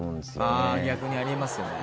あぁ逆にありますよね。